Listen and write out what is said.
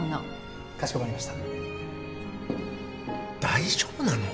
大丈夫なの？